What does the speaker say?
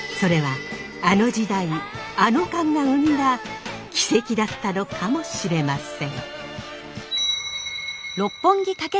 それはあの時代あの瞬間が生んだ奇跡だったのかもしれません。